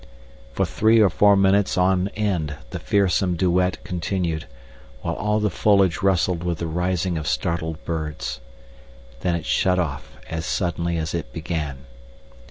For three or four minutes on end the fearsome duet continued, while all the foliage rustled with the rising of startled birds. Then it shut off as suddenly as it began.